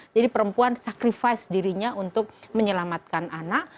jadi perempuan sacrifice dirinya untuk menyelamatkan anak